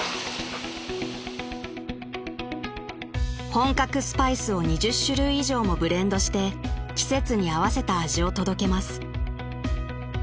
［本格スパイスを２０種類以上もブレンドして季節に合わせた味を届けます］